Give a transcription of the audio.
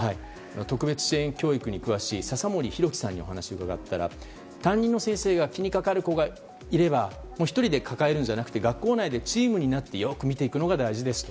特別支援教育に詳しい笹森洋樹さんにお話を伺ったら、担任の先生が気にかかる子がいたら１人で抱えるのではなくて学校内でチームになってよく見ていくのが大事ですと。